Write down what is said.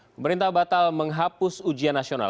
pemerintah batal menghapus ujian nasional